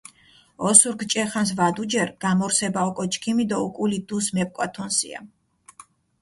ოსურქ ჭე ხანს ვადუჯერ, გამორსება ოკო ჩქიმი დო უკული დუს მეპკვათუნსია.